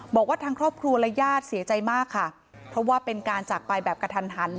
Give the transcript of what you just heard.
บอกว่าทางครอบครัวและญาติเสียใจมากค่ะเพราะว่าเป็นการจากไปแบบกระทันหัน